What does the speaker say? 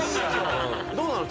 どうなの？